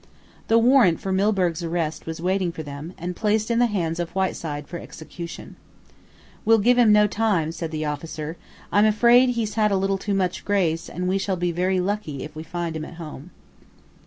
The warrant for Milburgh's arrest was waiting for them, and placed in the hands of Whiteside for execution. "We'll give him no time," said the officer. "I'm afraid he's had a little too much grace, and we shall be very lucky if we find him at home."